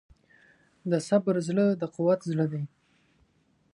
د صبر زړه د قوت زړه دی.